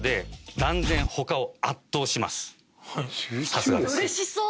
さすがです。